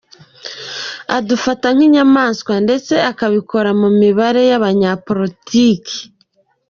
Adufata nk’inyamaswa ndetse akabikora mu mibare y’abanyapolitiki.